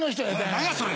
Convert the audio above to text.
何やそれ！